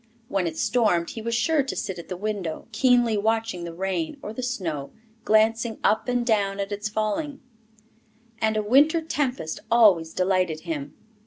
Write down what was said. When it stormed, he was sure to sit at the window, keenly watching the rain or the snow, glancing up and down at its falling; and a winter tempest always delighted him.